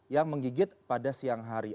yang menggigit pada siang hari